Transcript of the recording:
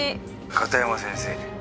「片山先生」